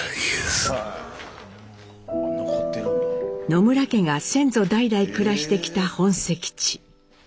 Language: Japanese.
野村家が先祖代々暮らしてきた本籍地。